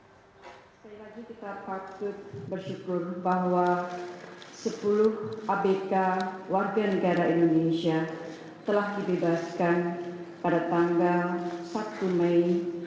saya lagi kita patut bersyukur bahwa sepuluh abk wni telah dibebaskan pada tanggal satu mei dua ribu enam belas